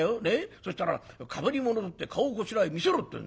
そしたらかぶり物を取って顔をこちらへ見せろって言うんだ。